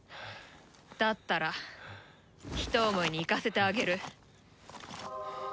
だったらひと思いに逝かせてあげる。